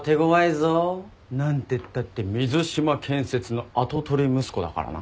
何てったって水島建設の跡取り息子だからな。